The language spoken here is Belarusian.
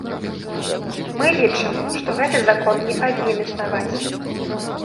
Мы лічым, што гэты закон не павінен існаваць.